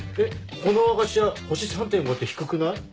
ここの和菓子屋星３．５って低くない？